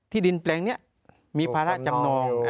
ที่ดินแปลงเนี่ยมีภาระจำนอง